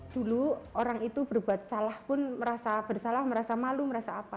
dulu orang itu berbuat salah pun merasa bersalah merasa malu merasa apa